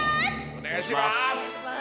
お願いします。